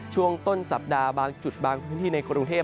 ช่วงต้นสัปดาห์บางจุดบางพื้นที่ในกรุงเทพ